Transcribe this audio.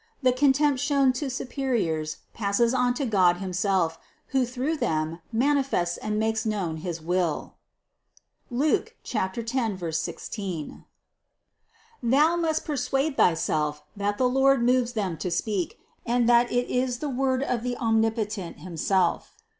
The contempt shown to superiors passes on to God himself, who through them manifests and makes known his will (Luke 10, 16). Thou must persuade thyself, that the Lord moves them to speak, and that it is the word of the Omnipotent himself.